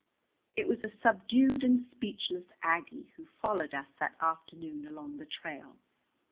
It was a subdued and speechless Aggie who followed us that afternoon along the trail.